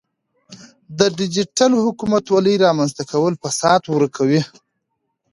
د ډیجیټل حکومتولۍ رامنځته کول فساد ورکوي.